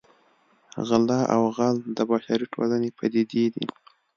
غلا او غل د بشري ټولنې پدیدې دي